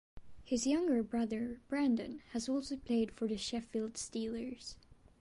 His younger brother Brandon also played for the Sheffield Steelers.